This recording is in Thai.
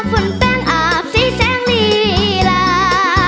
ฝนแป้งอาบสีแสงลีลา